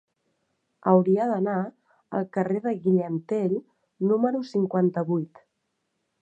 Hauria d'anar al carrer de Guillem Tell número cinquanta-vuit.